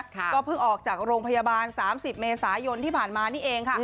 ก็เพิ่งออกจากโรงพยาบาล๓๐เมษายนที่ผ่านมานี่เองค่ะ